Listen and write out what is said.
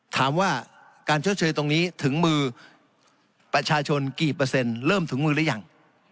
ถามว่าการชดเชยตรงนี้ถึงมือประชาชนกี่เปอร์เซ็นต์เริ่มถึงมือหรือยัง